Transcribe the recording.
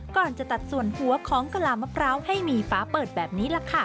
ก่อนจะตัดส่วนหัวของกะลามะพร้าวให้มีฟ้าเปิดแบบนี้แหละค่ะ